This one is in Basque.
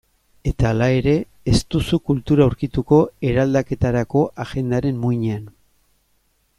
Eta hala ere, ez duzu kultura aurkituko eraldaketarako agendaren muinean.